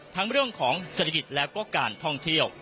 เรื่องของเศรษฐกิจแล้วก็การท่องเที่ยว